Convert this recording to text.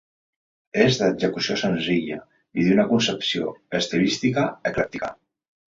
És d'execució senzilla i d'una concepció estilística eclèctica.